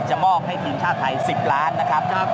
จะมอบให้ทีมชาติไทย๑๐ล้านบาท